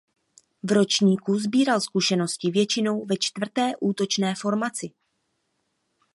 V ročníku sbíral zkušenosti většinou ve čtvrté útočné formaci.